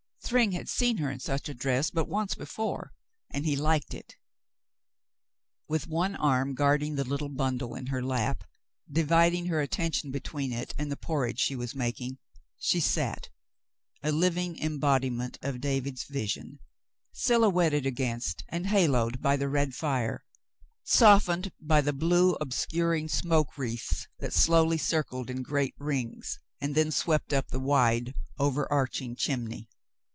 Thryng had seen her in such a dress but once before, and he liked it. With one arm guarding the little bundle in her lap, dividing her attention between it and the porridge she was making, she sat, a living embodimxcnt of David's vision, silhouetted against and haloed by the red fire, softened by the blue, obscuring smoke wreaths that slowly circled in great rings and then swept up the wide, overarching chimney.